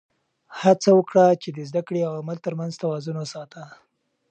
هڅه وکړه چې د زده کړې او عمل تر منځ توازن وساته.